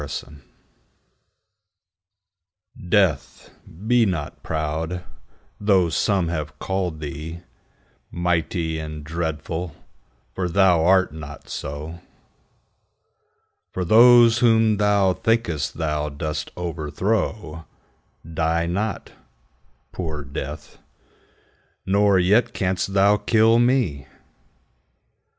Death DEATH, be not proud, though some have callèd thee Mighty and dreadful, for thou art not so: For those whom thou think'st thou dost overthrow Die not, poor Death; nor yet canst thou kill me.